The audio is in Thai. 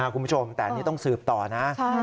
คุณผู้ชมแต่ต้องสืบต่อนะ